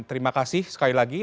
terima kasih sekali lagi